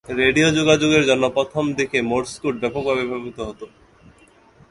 Radio যোগাযোগের জন্য প্রথম দিকে মোর্স কোড ব্যাপক ভাবে ব্যবহৃত হত।